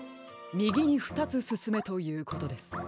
みぎにふたつすすめということです。